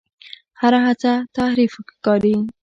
هر هڅه تحریف ښکاري.